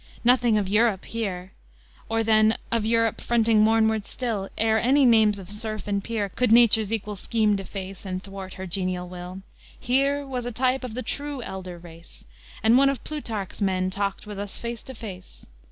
Nothing of Europe here, Or, then, of Europe fronting mornward still, Ere any names of Serf and Peer Could Nature's equal scheme deface And thwart her genial will; Here was a type of the true elder race, And one of Plutarch's men talked with us face to face.